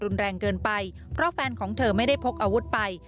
รุนแรงเกินไปเพราะแฟนของเธอไม่ได้พกอาวุธไป